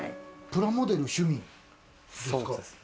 プラモデル趣味ですか？